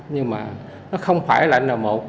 nhưng mà nó không phải là n một